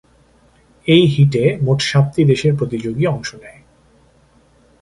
এই হিটে মোট সাতটি দেশের প্রতিযোগী অংশ নেয়।